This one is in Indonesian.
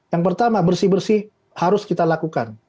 yang pertama bersih bersih harus kita lakukan